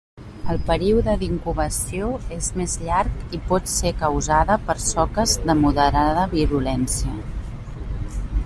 El període d'incubació és més llarg i pot ser causada per soques de moderada virulència.